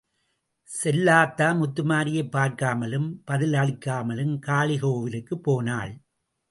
செல்லாத்தா, முத்துமாரியைப் பார்க்காமலும் பதிலளிக்காமலும் காளி கோவிலுக்குப் போனாள்.